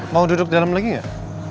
mau duduk dalam lagi gak